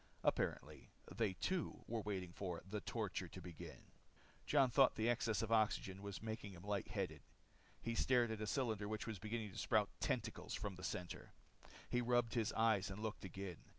Apparently, they too, were waiting for the torture to begin. Jon thought the excess of oxygen was making him light headed. He stared at a cylinder which was beginning to sprout tentacles from the circle. He rubbed his eyes and looked again.